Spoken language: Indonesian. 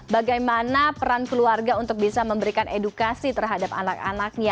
bagaimana peran keluarga untuk bisa memberikan edukasi terhadap anak anaknya